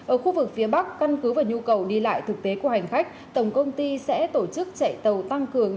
ở khu vực phía bắc căn cứ và nhu cầu đi lại thực tế của hành khách tổng công ty sẽ tổ chức chạy tàu tăng cường